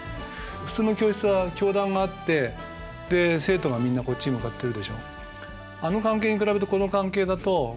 普通の教室は教壇があってで生徒がみんなこっちに向かってるでしょ。